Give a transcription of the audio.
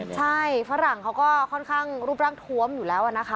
แฟรังเขาก็รูปร่างท้วมอยู่แล้ว